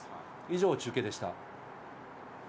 以上、中継でした。